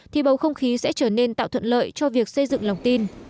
thì bầu không khí sẽ trở nên tạo thuận lợi cho việc xây dựng lòng tin